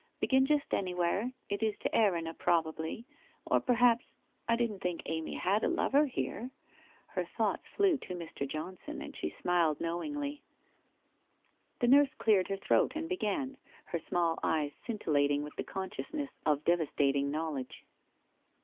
Begin jint anywhere. It is to I'^rinna probably. Or perhaps — I didn't think Amy had a lover hero? ' Bfer thoughts Hew to Mr. Johnson and she smiled knowingly. 163 166 WHITE ROSE OF WEARY LEAF The nurse cleared her throat and began, her small eyes scintillating with the consciousness of devastating knowl edge.